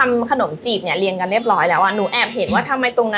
วันนี้หนูว่าหนูไม่ได้อะ